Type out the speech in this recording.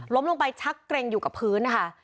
ลงไปชักเกร็งอยู่กับพื้นนะคะ